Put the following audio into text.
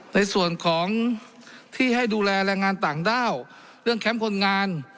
ในส่วนของที่ให้ดูแลแรงงานต่างด้าวเรื่องแคมป์คนงาน